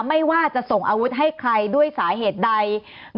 ไม่ว่าจะส่งอาวุธให้ใครด้วยสาเหตุใด